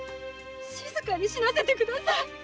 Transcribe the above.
静かに死なせてください。